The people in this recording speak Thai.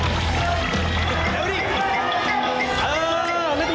เอาใหม่